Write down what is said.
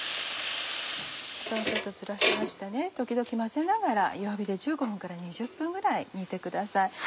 ふたをちょっとずらしましてね時々混ぜながら弱火で１５分から２０分ぐらい煮てください。